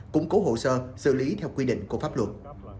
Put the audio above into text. củng cố hồ sơ xử lý theo quy định của pháp luật